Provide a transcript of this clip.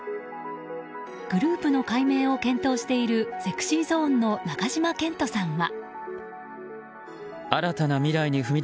グループの解明を検討しているＳｅｘｙＺｏｎｅの中島健人さんは。